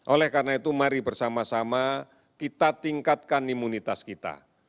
oleh karena itu mari bersama sama kita tingkatkan imunitas kita